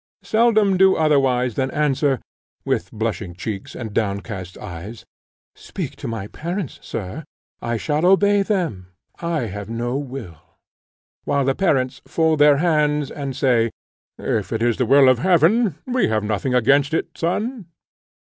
seldom do otherwise than answer, with blushing cheeks and downcast eyes, "Speak to my parents, sir; I shall obey them I have no will:" while the parents fold their hands and say, "If it is the will of Heaven, we have nothing against it, son."